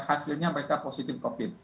hasilnya mereka positif covid